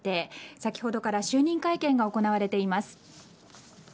先ほどから就任会見が行われています。